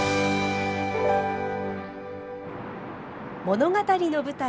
物語の舞台